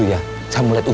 untuk ke rpetz